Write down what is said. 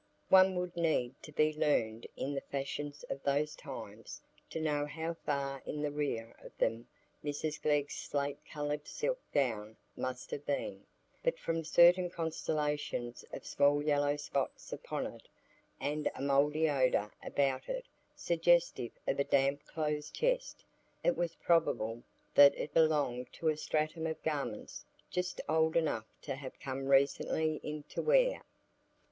One would need to be learned in the fashions of those times to know how far in the rear of them Mrs Glegg's slate coloured silk gown must have been; but from certain constellations of small yellow spots upon it, and a mouldy odor about it suggestive of a damp clothes chest, it was probable that it belonged to a stratum of garments just old enough to have come recently into wear.